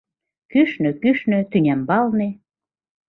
Кӱшнӧ, кӱшнӧ, тӱнямбалне